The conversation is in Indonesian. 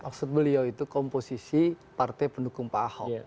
maksud beliau itu komposisi partai pendukung pahok